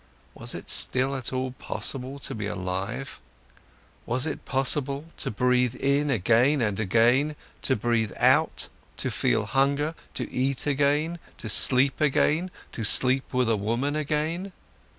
Was it still at all possible to be alive? Was it possible to breathe in again and again, to breathe out, to feel hunger, to eat again, to sleep again, to sleep with a woman again?